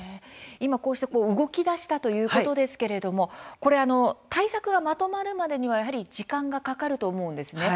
今こうして動きだしたということですけれども対策がまとまるまでには時間がかかると思うんです。